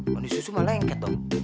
mandi susu malah lengket dong